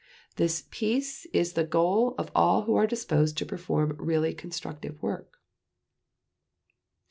This peace is the goal of all who are disposed to perform really constructive work."